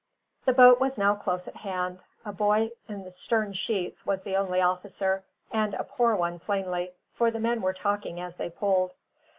The boat was now close at hand; a boy in the stern sheets was the only officer, and a poor one plainly, for the men were talking as they pulled.